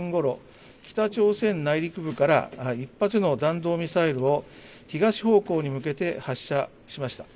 北朝鮮内陸部から１発の弾道ミサイルを東方向に向けて発射しました。